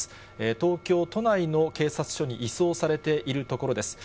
東京都内の警察署に移送されているところです。